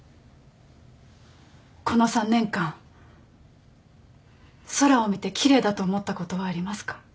この３年間空を見て奇麗だと思ったことはありますか？